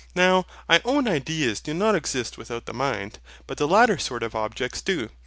Now, I own ideas do not exist without the mind; but the latter sort of objects do.